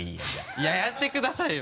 いややってくださいよ！